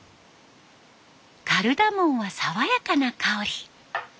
カルダモンは爽やかな香り。